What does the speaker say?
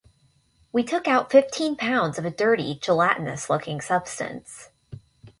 We took out fifteen pounds of a dirty, gelatinous looking substance.